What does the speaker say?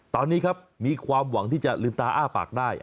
ตอนนี้ครับมีความหวังที่จะลืมตาอ้าปากได้